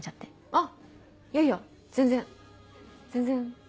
あいやいや全然全然。